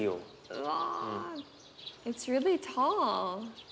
うわ。